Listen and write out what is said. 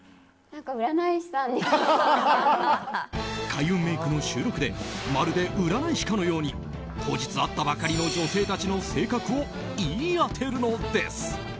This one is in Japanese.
開運メイクの収録でまるで占い師かのように当日会ったばかりの女性たちの性格を言い当てるのです。